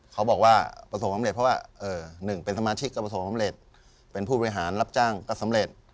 เขาบอกว่าประสบความเร็จเพราะว่าหนึ่งเป็นสมาชิกก็ประสบความสำเร็จเป็นผู้บริหารรับจ้างก็สำเร็จ